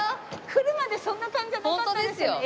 来るまでそんな感じじゃなかったですよね？